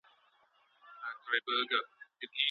د هر ښاري د ناستې خونې کې یوه ننداره